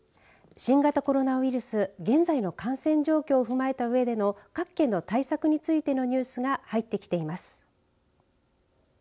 新型コロナウイルス、現在の感染状況を踏まえたうえでの各県の対策についてのニュースが入ってきています。